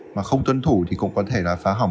mà không tuân thủ thì cũng có thể là phá hỏng